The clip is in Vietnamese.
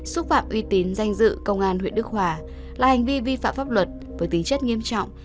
xúc phạm uy tín danh dự công an huyện đức hòa là hành vi vi phạm pháp luật với tính chất nghiêm trọng